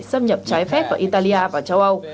xâm nhập trái phép vào italia và châu âu